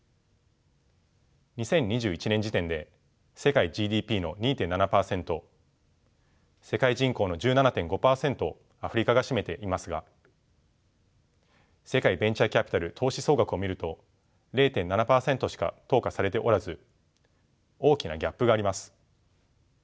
２０２１年時点で世界ＧＤＰの２．７％世界人口の１７．５％をアフリカが占めていますが世界ベンチャーキャピタル投資総額を見ると０．７％しか投下されておらず大きなギャップがあります。